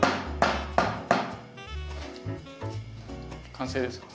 完成ですか？